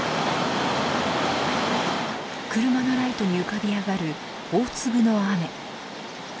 車のライトに浮かび上がる大粒の雨。